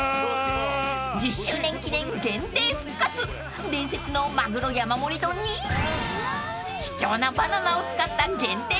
［１０周年記念限定復活伝説のマグロ山盛り丼に貴重なバナナを使った限定